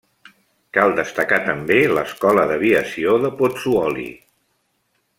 Cal destacar també l'escola d'aviació de Pozzuoli.